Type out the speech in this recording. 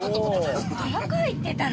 どこ行ってたの？